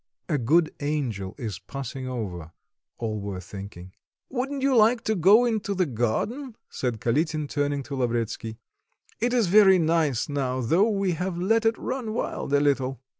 "A good angel is passing over," all were thinking. "Wouldn't you like to go into the garden?" said Kalitin, turning to Lavretsky; "it is very nice now, though we have let it run wild a little."